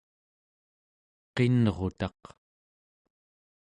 qinrutaq